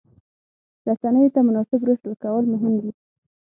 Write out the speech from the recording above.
رسنیو ته مناسب رشد ورکول مهم دي.